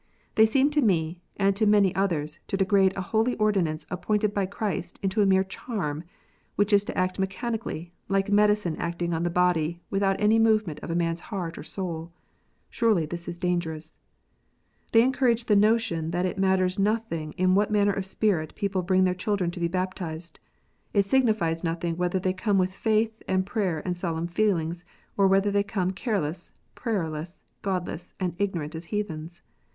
They seem to me, and to many others, to degrade a holy ordinance appointed by Christ into a mere charm, which is to act mechanically, like a medicine acting on the body, without any movement of a man s heart or soul. Surely this is dangerous ! They encourage the notion that it matters nothing in. what manner of spirit people bring their children to be baptized. It signifies nothing whether they come with faith, and prayer, and solemn feelings, or whether they come careless, prayerless, godless, and ignorant as heathens